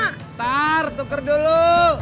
bentar tuker dulu